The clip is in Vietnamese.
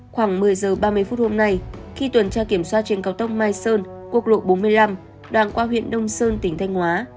khoảng một mươi h ba mươi phút hôm nay khi tuần tra kiểm soát trên cao tốc mai sơn quốc lộ bốn mươi năm đoàn qua huyện đông sơn tỉnh thanh hóa